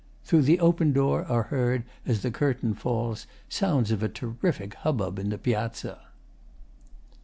Through open door are heard, as the Curtain falls, sounds of a terrific hubbub in the Piazza.